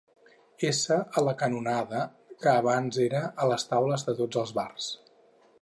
S a la canonada que abans era a les taules de tots els bars.